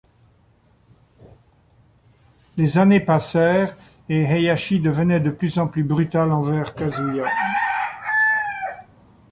Les années passèrent et Heihachi devenait de plus en plus brutal envers Kazuya.